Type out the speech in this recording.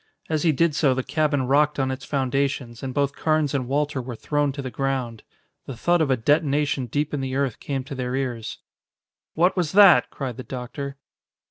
As he did so the cabin rocked on its foundations and both Carnes and Walter were thrown to the ground. The thud of a detonation deep in the earth came to their ears. "What was that?" cried the doctor.